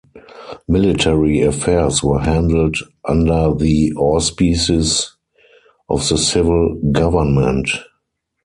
Military affairs were handled under the auspices of the civil government.